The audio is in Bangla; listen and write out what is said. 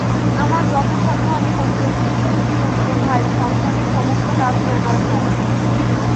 আমার যথাসাধ্য আমি করিতেছি–কিন্তু কী করিব ভাই, সংসারের সমস্ত কাজই আমার ঘাড়ে।